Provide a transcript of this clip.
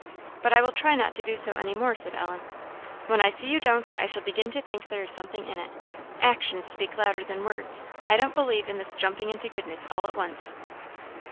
"But I will try not to do so any more," said Ellen. "When I see you don't, I shall begin to think there is something in it. Actions speak louder than words. I don't believe in this jumping into goodness all at once."